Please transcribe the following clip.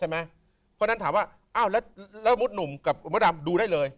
เพราะฉะนั้นถามว่าอ้าวแล้วมดหนุ่มกับมดดำดูได้เลย